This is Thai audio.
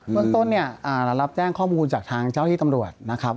เมื่อสัปดาหภ์รับแจ้งข้อมูลจากทางเจ้าที่ตำรวจนะครับ